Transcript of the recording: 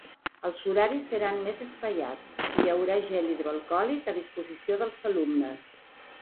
Els horaris seran més espaiats i hi haurà gel hidroalcohòlic a disposició dels alumnes.